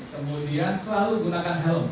kemudian selalu gunakan helm